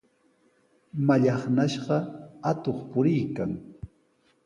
Mallaqnashqa atuq puriykan.